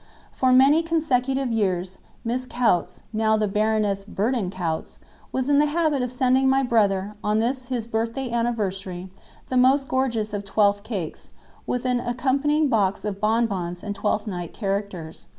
For many consecutive years, Miss Coutts, now the Baroness Burdett Coutts, was in the habit of sending my brother, on this his birthday anniversary, the most gorgeous of Twelfth cakes, with an accompanying box of bonbons and Twelfth Night characters.